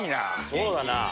そうだな。